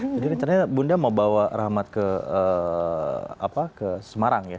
jadi rencananya bunda mau bawa rahmat ke semarang ya